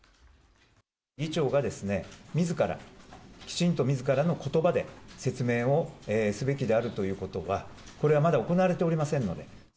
議長がですね、みずから、きちんとみずからのことばで説明をすべきであるということは、これはまだ行われておりませんので。